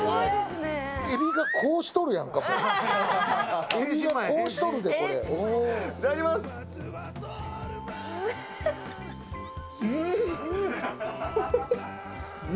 エビがこうしとるやんか、こう。